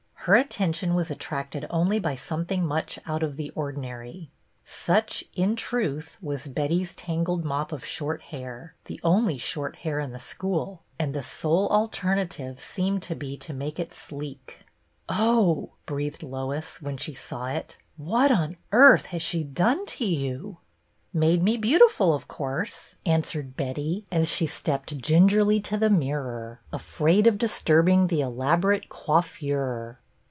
Her attention was attracted only by something much out of the ordinary. Such, in truth, was Betty's tangled mop of short hair, the only short hair in the school, and the sole alternative seemed to be to make it sleek. " Oh !" breathed Lois when she saw it. " What on earth has she done to you ?"" Made me beautiful, of course," answered Betty as she stepped gingerly to the mirror, afraid of disturbing the elaborate coiffure.